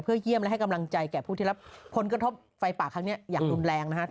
เยี่ยมและให้กำลังใจแก่ผู้ที่รับผลกระทบไฟป่าครั้งนี้อย่างรุนแรงนะครับ